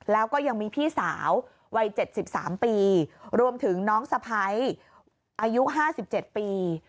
แล้วก็ยังมีพี่สาววัย๗๓ปีรวมถึงน้องสะพ้ายอายุ๕๗ปี